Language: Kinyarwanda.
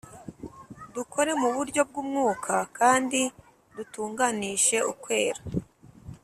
Dukore mu buryo bw’umwuka kandi dutunganishe ukwera